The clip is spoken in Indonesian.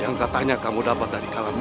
yang katanya kamu dapat dari alami